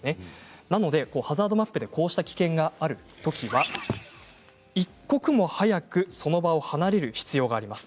なのでハザードマップでこうした危険があるときは一刻も早くその場を離れる必要があります。